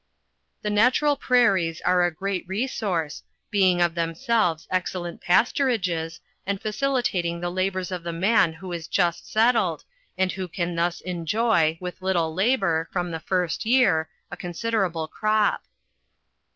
The natural prairies are a great resource, being of them selves excellent pasturages, and facilitating the labors of the man who is just settled, and who can thus enjoy, with little labor, from the first year, a considerable crop.